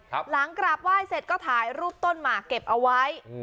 หลังกราบไหว้เสร็จก็ถ่ายรูปต้นหมากเก็บเอาไว้อืม